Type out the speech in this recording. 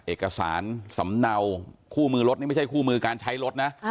เอกสารสำเนาคู่มือรถนี่ไม่ใช่คู่มือการใช้รถนะ